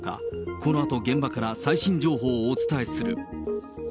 このあと現場から最新情報をお伝えする。